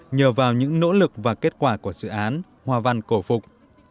nhờ vào những nỗ lực và kết quả của dự án hoa văn cổ phục